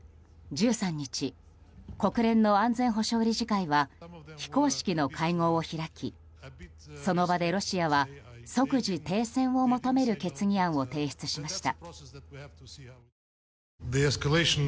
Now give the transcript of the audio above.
１３日国連の安全保障理事会は非公式の会合を開きその場でロシアは即時停戦を求める決議案を提出しました。